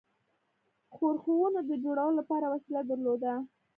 ښورښونو د جوړولو لپاره وسیله درلوده.